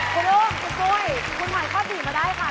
คุณอุ้มคุณปุ้ยคุณผ่านข้อดีมาได้ค่ะ